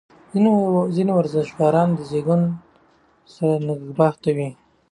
ځینې ورزشکاران د زېږون سره نېکبخته وي.